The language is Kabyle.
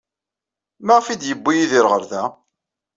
Maɣef ay d-yewwi Yidir ɣer da?